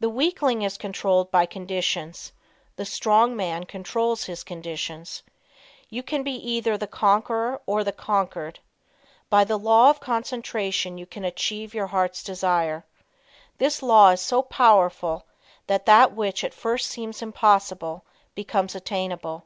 The weakling is controlled by conditions. The strong man controls conditions. You can be either the conqueror or the conquered. By the law of concentration you can achieve your heart's desire. This law is so powerful that that which at first seems impossible becomes attainable.